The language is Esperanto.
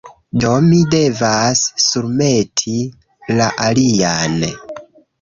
Do, mi devas surmeti la alian